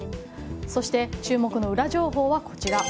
そして注目のウラ情報はこちら。